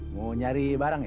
mau nyari barang ya